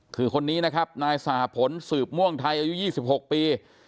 คือคนนี้นะครับนายสหพลสืบม่วงไทยอายุ๒๖ปี